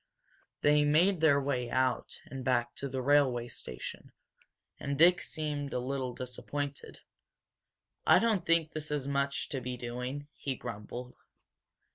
They made their way out and back to the railway station. And Dick seemed a little disappointed. "I don't think this is much to be doing!" he grumbled.